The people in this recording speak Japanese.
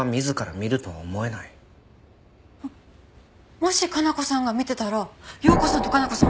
もし加奈子さんが見てたら陽子さんと加奈子さん